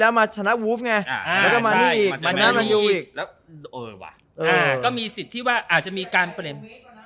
แล้วก็มีสิทธิ์ที่ว่าอาจจะมีการเป็น